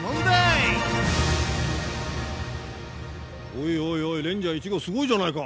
おいおいおいレンジャー１号すごいじゃないか。